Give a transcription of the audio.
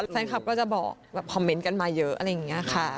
แฟนคลับก็จะบอกแบบคอมเมนต์กันมาเยอะอะไรอย่างนี้ค่ะ